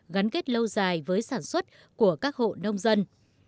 gắn kết lâu dài với sản xuất của các hộ nông dân